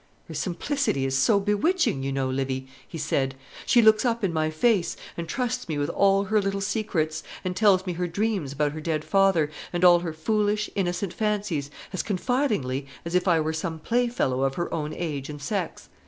"Her simplicity is so bewitching, you know, Livy," he said; "she looks up in my face, and trusts me with all her little secrets, and tells me her dreams about her dead father, and all her foolish, innocent fancies, as confidingly as if I were some playfellow of her own age and sex.